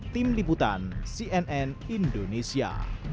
tim liputan cnn indonesia